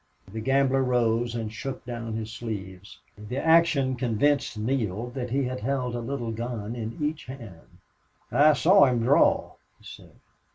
The gambler rose and shook down his sleeves. The action convinced Neale that he had held a little gun in each hand. "I saw him draw," he said.